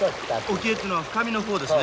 沖へっていうのは深みの方ですね？